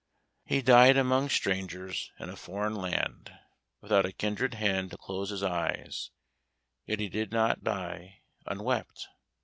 He died among strangers, in a foreign land, without a kindred hand to close his eyes; yet he did not die unwept.